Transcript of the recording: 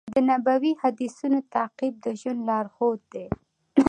د نبوي حدیثونو تعقیب د ژوند لارښود دی.